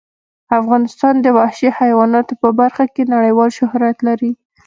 افغانستان د وحشي حیواناتو په برخه کې نړیوال شهرت لري.